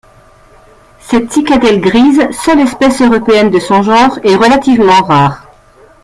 Cette cicadelle grise, seule espèce européenne de son genre, est relativement rare.